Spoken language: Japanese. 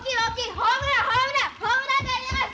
ホームランであります！